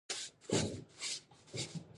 د بادغیس په جوند کې د څه شي نښې دي؟